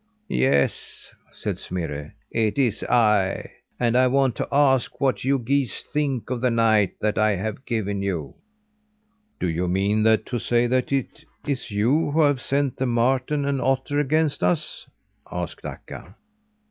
"Yes," said Smirre, "it is I; and I want to ask what you geese think of the night that I have given you?" "Do you mean to say that it is you who have sent the marten and otter against us?" asked Akka.